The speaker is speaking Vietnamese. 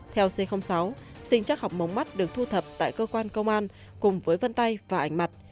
theo c sáu sinh chắc học mống mắt được thu thập tại cơ quan công an cùng với vân tay và ảnh mặt